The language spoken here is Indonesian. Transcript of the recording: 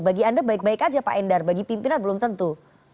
bagi anda baik baik aja pak endar bagi pimpinan belum tentu